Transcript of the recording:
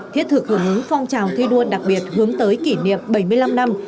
thiết thực hướng hướng phong trào thi đua đặc biệt hướng tới kỷ niệm bảy mươi năm năm